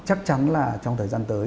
chắc chắn là trong thời gian tới